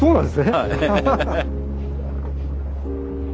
はい。